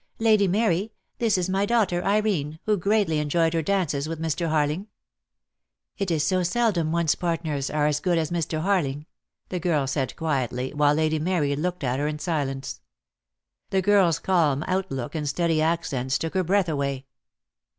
"Lady Mary, this is my daughter, Irene, who greatly enjoyed her dances with Mr. Harling." "It is so seldom one's partners are as good as Mr. Harling," the girl said quietly, while Lady Mary looked at her in silence. The girl's calm outlook, and steady accents, took her breath away.